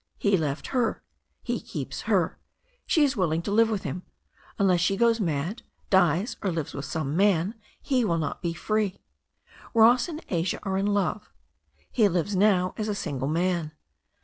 He left her. He keeps her. She is willing to live with him. Unless she goes mad, dies, or lives with some man, he will not be free. Ross and Asia are in love. He lives now as a single man.